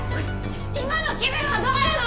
今の気分はどうなの！？